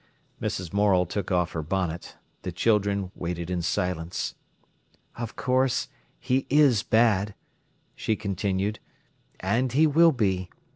Mrs. Morel took off her bonnet. The children waited in silence. "Of course, he is bad," she continued, "and he will be.